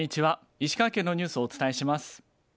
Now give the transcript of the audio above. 石川県のニュースをお伝えします。